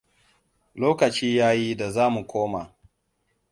Lokaci ya yi da za mu koma.